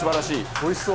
おいしそう。